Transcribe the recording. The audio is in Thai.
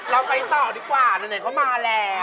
เราไปต่อดีกว่าไหนเขามาแล้ว